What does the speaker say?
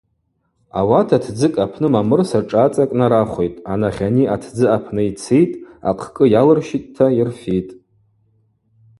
Ауат атдзыкӏ апны мамырса шӏацӏакӏ нарахвитӏ, анахьани атдзы апны йцитӏ, ахъкӏы йалырщитӏта йырфитӏ.